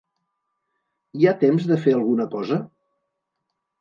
Hi ha temps de fer alguna cosa?